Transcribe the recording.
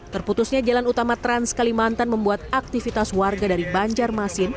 terputusnya jalan utama trans kalimantan membuat aktivitas warga dari banjarmasin